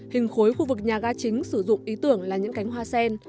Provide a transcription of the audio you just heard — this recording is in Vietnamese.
hình khối khu vực nhà ga chính sử dụng ý tưởng là những cánh hoa sen